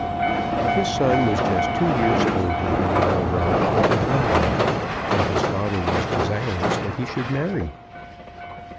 His son was just two years older than our Ralph up in London, and his father was desirous that he should marry.